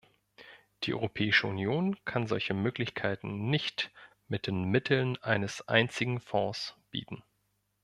Die Europäische Union kann solche Möglichkeiten nicht mit den Mitteln eines einzigen Fonds bieten.